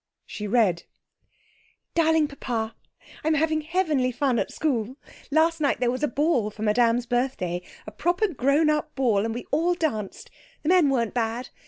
She read 'DARLING PAPA, 'I'm having heavenly fun at school. Last night there was a ball for Madame's birthday. A proper grown up ball, and we all danced. The men weren't bad.